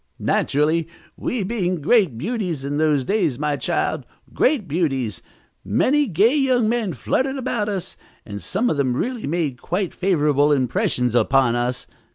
Naturally, we being great beauties in those days, my child, great beauties, many gay young men fluttered about us, and some of them really made quite favorable impressions upon us.